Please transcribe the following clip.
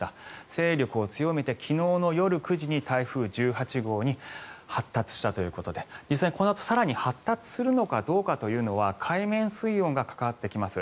勢力を強めて昨日の夜９時に台風１８号に発達したということで実際に、このあと更に発達するのかどうかというのは海面水温が関わってきます。